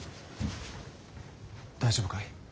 大丈夫かい？